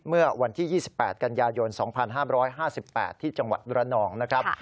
เมื่อวันที่๒๘กันยายน๒๕๕๘ที่จังหวัดระนองนะครับ